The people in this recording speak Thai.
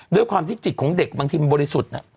ด้วยความที่จิตของเด็กบางทีมันบริสุทธิ์